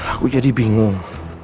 aku jadi bingung